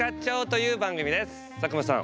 佐久間さん